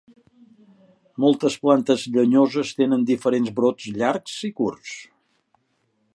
Moltes plantes llenyoses tenen diferents brots llargs i curts.